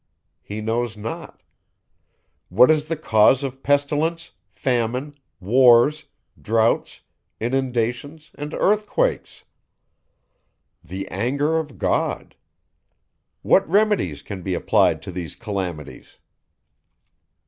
He knows not. What is the cause of pestilence, famine, wars, droughts, inundations and earthquakes? The anger of God. What remedies can be applied to these calamities?